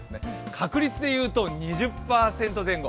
確率でいうと、２０％前後。